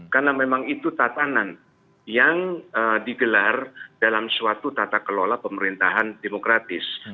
karena memang itu tatanan yang digelar dalam suatu tata kelola pemerintahan demokratis